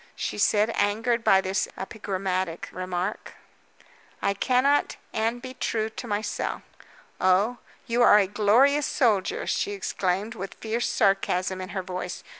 she said, angered by this epigrammatic remark. "I cannot and be true to myself." "Oh? you are a glorious soldier," she exclaimed, with fierce sarcasm in her voice.